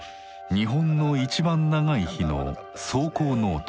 「日本のいちばん長い日」の草稿ノート。